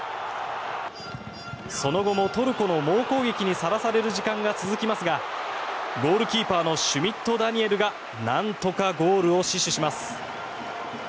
その後もトルコの猛攻撃にさらされる時間が続きますがゴールキーパーのシュミット・ダニエルがなんとかゴールを死守します。